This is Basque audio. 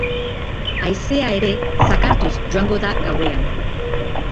Haizea ere zakartuz joango da gauean.